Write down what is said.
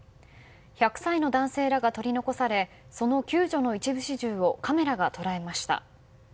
１００歳の男性らが取り残されその救助の一部始終をカメラが捉えました。